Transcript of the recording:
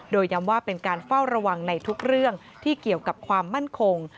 โดยย้ำว่าเป็นการเฝ้าระวังในทุกเรื่องที่เกี่ยวกับความมั่นคง